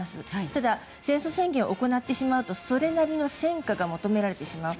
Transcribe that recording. ただ、戦争宣言を行ってしまうとそれなりの戦果が求められてしまう。